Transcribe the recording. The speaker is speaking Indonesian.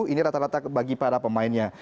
ini rata rata bagi para pemainnya